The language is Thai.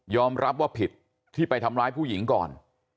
รับว่าผิดที่ไปทำร้ายผู้หญิงก่อน